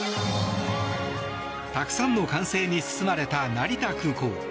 たくさんの歓声に包まれた成田空港。